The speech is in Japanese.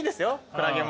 クラゲも。